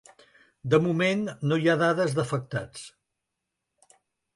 De moment no hi ha dades d’afectats.